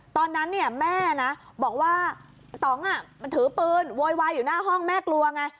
ตอนนั้นเนี่ยแม่นะบอกว่าต่องมันถือปืนโวยวายอยู่หน้าห้องแม่กลัวไง